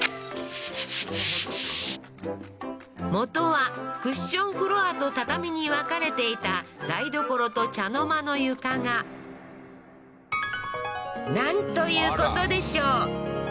元はクッションフロアと畳に分かれていた台所と茶の間の床がなんということでしょう